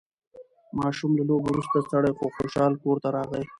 ماشوم له لوبو وروسته ستړی خو خوشحال کور ته راغی